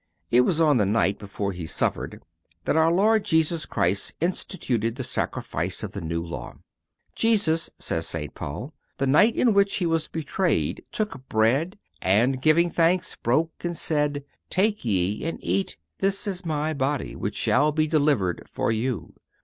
It was on the night before He suffered that our Lord Jesus Christ instituted the Sacrifice of the New Law. "Jesus," says St. Paul, "the night in which He was betrayed took bread, and, giving thanks, broke and said: Take ye and eat; this is My body which shall be delivered for you.